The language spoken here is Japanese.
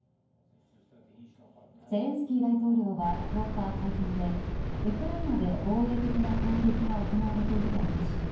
ゼレンスキー大統領は１０日、会見でウクライナで防衛的な反撃が行われていると明かし